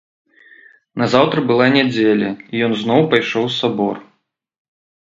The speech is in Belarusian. Назаўтра была нядзеля, і ён зноў пайшоў у сабор.